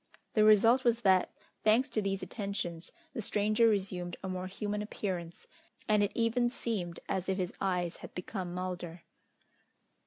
The result was that, thanks to these attentions, the stranger resumed a more human appearance, and it even seemed as if his eyes had become milder.